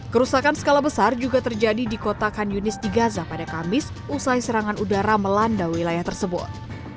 kerusakan skala besar juga terjadi di kota kan yunis di gaza pada kamis usai serangan udara melanda wilayah tersebut